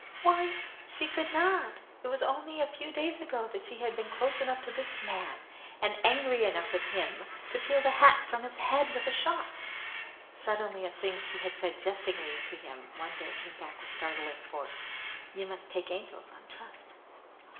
Why, she could not! It was only a few days ago that she had been close enough to this man and angry enough with him to peel the hat from his head with a shot! Suddenly a thing she had said jestingly to him one day came back with startling force: "You must take Angels on trust."